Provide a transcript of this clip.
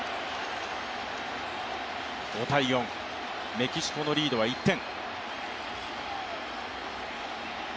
メキシコのリードは１点。